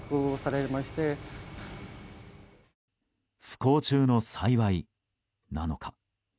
不幸中の幸いなのか？